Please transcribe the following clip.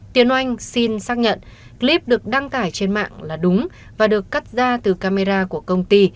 tiến oanh xin xác nhận clip được đăng tải trên mạng là đúng và được cắt ra từ camera của công ty